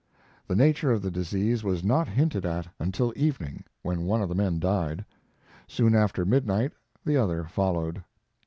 The nature of the disease was not hinted at until evening, when one of the men died. Soon after midnight, the other followed.